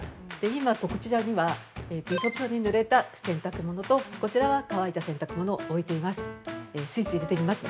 今こちらにはびしょびしょにぬれた洗濯物とこちらは乾いた洗濯物を置いています。